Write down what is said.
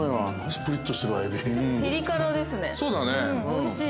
◆おいしい。